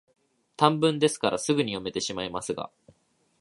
短文ですから、すぐに読めてしまいますが、